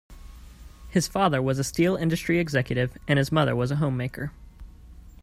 His father was a steel-industry executive and his mother was a homemaker.